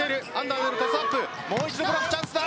もう一度ブロックチャンスだ。